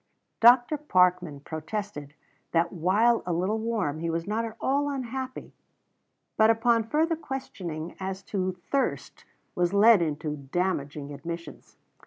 Dr. Parkman protested that while a little warm, he was not at all unhappy, but upon further questioning as to thirst was led into damaging admissions.